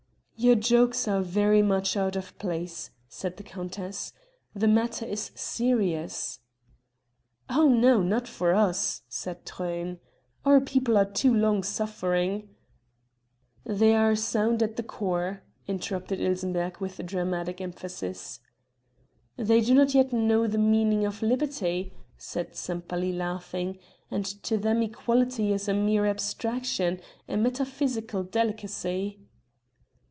"Your jokes are very much out of place," said the countess, "the matter is serious." "Oh, no! not for us," said Truyn. "Our people are too long suffering." "They are sound at the core," interrupted Ilsenbergh with dramatic emphasis. "They do not yet know the meaning of liberty," said Sempaly laughing, "and to them equality is a mere abstraction a metaphysical delicacy."